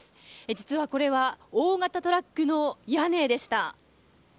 実は、これは大型トラックの屋根でした。